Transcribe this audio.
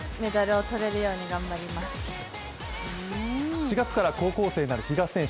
４月から高校生になる比嘉選手。